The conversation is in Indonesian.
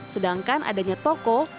sedangkan adanya toko